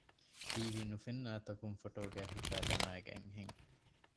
ހީވީ ނުފެންނަ އަތަކުން ފޮޓޯގައި ހިފައި ދަމައިގަތްހެން